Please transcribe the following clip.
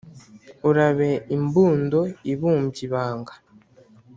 urabe imbundo ibumbye ibanga